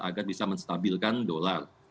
agar bisa menstabilkan dolar